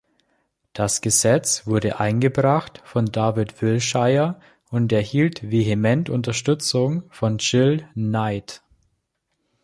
Das Gesetz wurde eingebracht von David Wilshire und erhielt vehemente Unterstützung von Jill Knight.